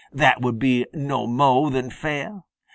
"That would be no mo' than fair.